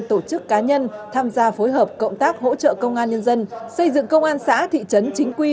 tổ chức cá nhân tham gia phối hợp cộng tác hỗ trợ công an nhân dân xây dựng công an xã thị trấn chính quy